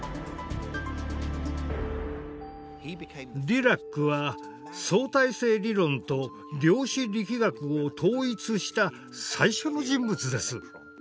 ディラックは相対性理論と量子力学を統一した最初の人物です。